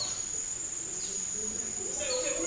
おおらおらおら！